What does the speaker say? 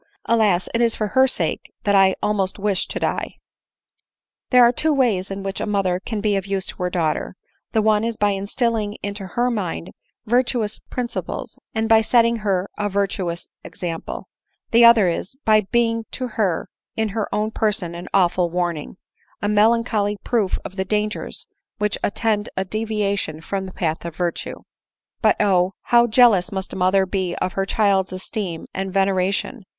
Alas! it is for her sake that I most wish to die. " There are two ways in which a mother can be of use to her daughter ; the one is by instilling into her mind virtuous principles, and by setting her a virtuous example ; the other Is, by being to her in her own person an awful warning — a melancholy proof of the dangers which at tend a deviation from the path of virtue, jout, oh ! how jealous must a mother be of her child's esteem and ven eration